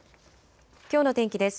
きょうの天気です。